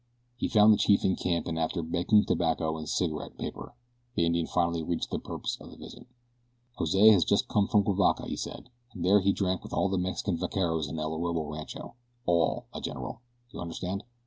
He found the chief in camp and after begging tobacco and a cigarette paper the Indian finally reached the purpose of his visit. "Jose has just come from Cuivaca," he said, "and there he drank with all the Mexican vaqueros of El Orobo Rancho ALL, my general, you understand.